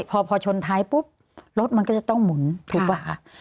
พอชนท้ายปุ๊บรถมันก็จะต้องหมุนถูกป่ะคะ